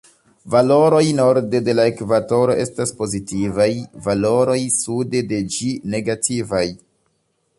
Valoroj norde de la ekvatoro estas pozitivaj, valoroj sude de ĝi negativaj.